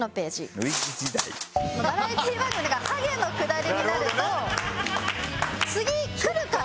バラエティ番組がハゲのくだりになると「次くるかな？」。